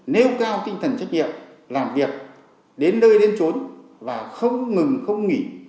nêu cao tinh thần trách nhiệm làm việc đến nơi đến trốn và không ngừng không nghỉ